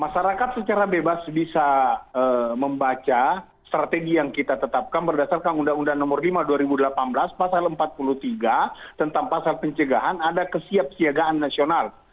masyarakat secara bebas bisa membaca strategi yang kita tetapkan berdasarkan undang undang nomor lima dua ribu delapan belas pasal empat puluh tiga tentang pasal pencegahan ada kesiapsiagaan nasional